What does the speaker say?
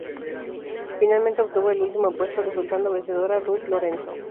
Finalmente obtuvo el último puesto resultando vencedora Ruth Lorenzo.